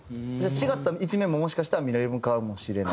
違った一面ももしかしたら見れるかもしれない？